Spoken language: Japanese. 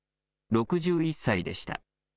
６１歳でした。